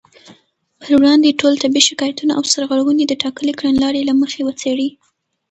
پر وړاندې ټول طبي شکايتونه او سرغړونې د ټاکلې کړنلارې له مخې وڅېړي